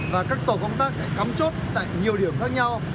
và các tổ công tác sẽ cắm chốt tại nhiều điểm khác nhau